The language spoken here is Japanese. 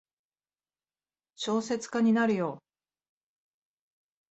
小説家になるよ。